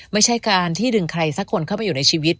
ไม่ใช่การที่ดึงใครสักคนเข้าไปอยู่ในชีวิต